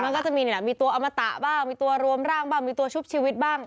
มันก็จะมีนี่แหละมีตัวอมตะบ้างมีตัวรวมร่างบ้างมีตัวชุบชีวิตบ้าง